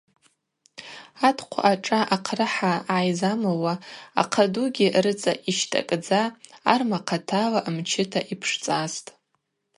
Атӏкъва ашӏа ахърыхӏа гӏайзамылуа, Ахъа дугьи рыцӏа йщтӏакӏдза, Арма хъатала мчыта йпшцӏастӏ.